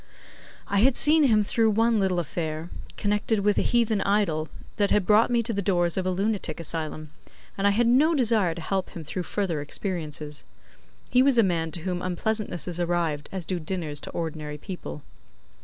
I had seen him through one little affair, connected with a heathen idol, that had brought me to the doors of a lunatic asylum, and I had no desire to help him through further experiences. He was a man to whom unpleasantnesses arrived as do dinners to ordinary people.